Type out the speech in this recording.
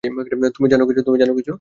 তুমি জানো কিছু?